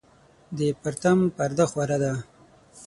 د پرتم پرده خوره ده